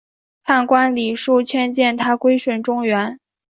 判官李恕劝谏他归顺中原。